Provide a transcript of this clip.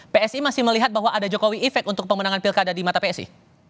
psi masih melihat bahwa ada jokowi efek untuk pemenangan pilkada di mata psi